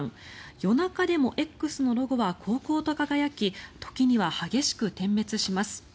夜中でもＸのロゴは煌々と輝き時には激しく点滅します。